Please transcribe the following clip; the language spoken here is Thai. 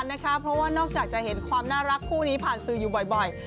เพราะว่านอกจากจะเห็นความน่ารักคู่นี้ผ่านสื่ออยู่บ่อย